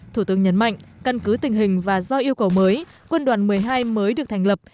thủ tướng nhấn mạnh căn cứ tình hình và do yêu cầu mới quân đoàn một mươi hai mới được thành lập